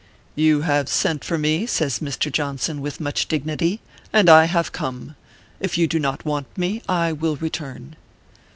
" You have sent for me," says Mr. Johnson, with much dignity, "and I have come. If you do not want me, I will return."